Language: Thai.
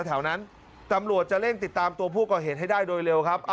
แถวนั้นตำรวจจะเร่งติดตามตัวผู้ก่อเหตุให้ได้โดยเร็วครับ